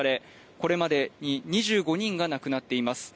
これまでに２５人が亡くなっています